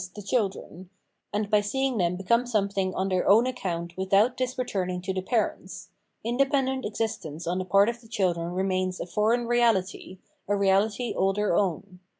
the children), and by seeing them become some thing on their own account without this returning to the parents : independent existence on the part of the children remains a foreign reality, a reahty all their own.